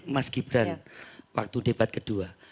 mas gibran waktu debat kedua